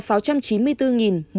đạt năm mươi một một mươi bốn dân số tỉnh